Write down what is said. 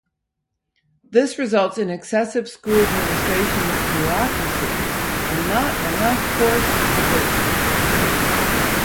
This results in excessive school administration bureaucracy and not enough course diversity.